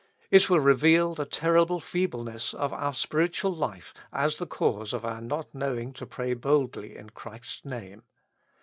It will reveal the terrible feebleness of our spiritual life as the cause of our not knowing to pray boldly in Christ's Name.